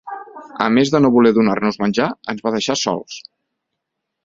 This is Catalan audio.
A més de no voler donar-nos menjar, ens van deixar sols.